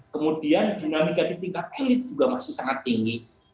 kemudian dinamika di tingkat elit juga masih sangat tinggi